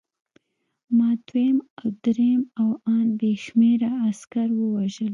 ما دویم او درېیم او ان بې شمېره عسکر ووژل